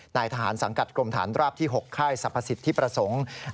นายทหารสังกัดกรมฐานราบที่๖ค่ายสรรพสิทธิประสงค์